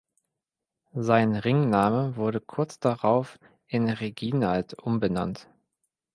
Sein Ringname wurde kurz darauf in Reginald umbenannt.